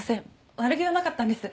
悪気はなかったんです。